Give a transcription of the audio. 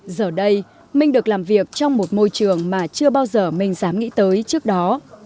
giờ đây minh được làm việc trong một môi trường mà chưa bao giờ mình dám nghĩ tới trước đó